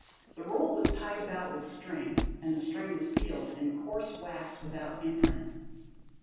The roll was tied about with string, and the string was sealed, in coarse wax without imprint.